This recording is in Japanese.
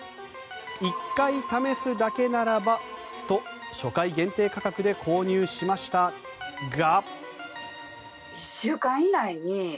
１回試すだけならばと初回限定価格で購入しましたが。